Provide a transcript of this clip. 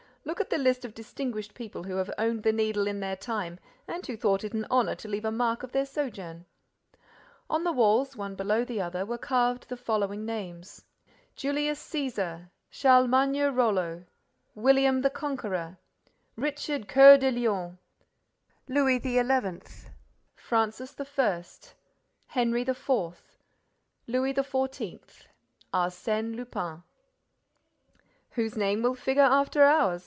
—Look at the list of distinguished people who have owned the Needle in their time and who thought it an honor to leave a mark of their sojourn." On the walls, one below the other, were carved the following names: JULIUS CÆSAR CHARLEMAGNE ROLLO WILLIAM THE CONQUEROR RICHARD CŒUR DE LEON LOUIS XI. FRANCIS I. HENRY IV. LOUIS XIV. ARSÈNE LUPIN "Whose name will figure after ours?"